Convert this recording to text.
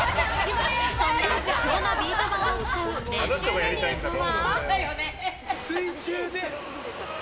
そんな貴重なビート板を使う練習メニューとは？